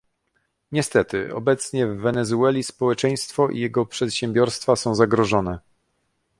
Niestety, obecnie w Wenezueli społeczeństwo i jego przedsiębiorstwa są zagrożone